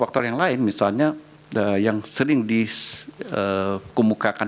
faktor yang lain misalnya yang sering dikemukakan